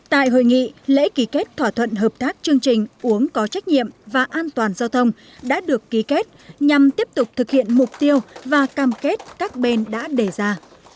tại hội nghị lễ ký kết thỏa thuận hợp tác chương trình uống có trách nhiệm và an toàn giao thông đã được ký kết nhằm tiếp tục thực hiện mục tiêu và cam kết các bên đã đề ra